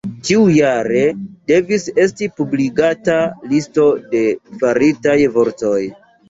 Ĉiujare devis esti publikigata listo de faritaj vortoj.